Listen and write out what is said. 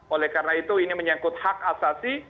oleh karena itu ini menyangkut hak asasi